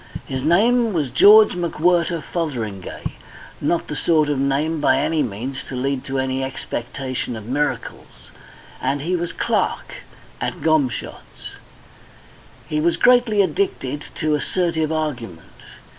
His name was George McWhirter Fotheringay not the sort of name by any means to lead to any expectation of miracles and he was clerk at Gomshott's. He was greatly addicted to assertive argument.